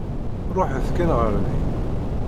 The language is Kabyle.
Ṛuḥet kan ɣer din.